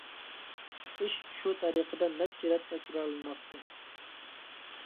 ئىش شۇ تەرىقىدە نەچچە رەت تەكرارلىناتتى.